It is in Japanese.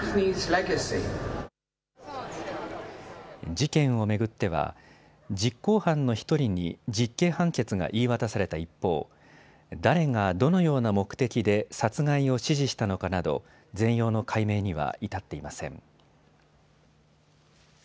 事件を巡っては実行犯の１人に実刑判決が言い渡された一方、誰がどのような目的で殺害を指示したのかなど全容の解明には至っていません。